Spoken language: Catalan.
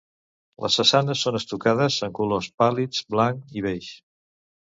Les façanes són estucades en colors pàl·lids, blanc i beix.